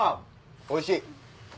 おいしい！